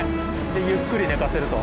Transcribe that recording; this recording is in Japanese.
でゆっくり寝かせると。